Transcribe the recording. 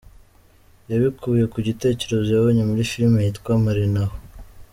yabikuye ku gitekerezo yabonye muri filimi yitwa Marina aho